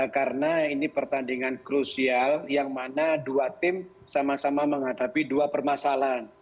karena ini pertandingan krusial yang mana dua tim sama sama menghadapi dua permasalahan